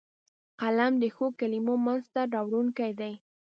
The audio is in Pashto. قلم د ښو کلمو منځ ته راوړونکی دی